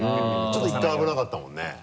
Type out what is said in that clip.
ちょっと１回危なかったもんね。